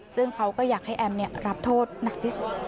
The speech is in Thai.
ซึ่งเขาก็อยากให้แอมรับโทษหนักที่สุด